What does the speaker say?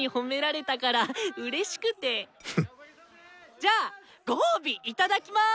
じゃあご褒美いただきます！